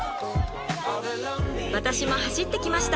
私も走ってきました